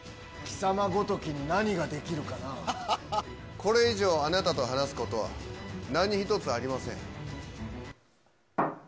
これ以上、あなたと話すことは何一つありません。